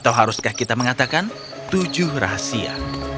atau haruskah kita mengatakan tujuh rahasia